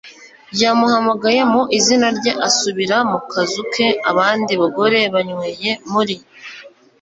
yamuhamagaye mu izina rye asubira mu kazu ke. abandi bagore banyweye muri